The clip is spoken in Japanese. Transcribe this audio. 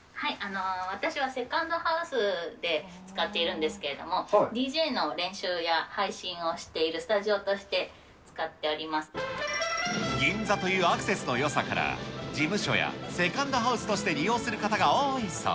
私はセカンドハウスで使っているんですけども、ＤＪの練習や配信をしているスタジオとして使銀座というアクセスのよさから、事務所やセカンドハウスとして利用する方が多いそう。